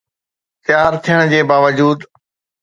تيار ٿيڻ جي باوجود